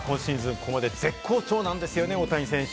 ここまで絶好調なんですよね、大谷選手。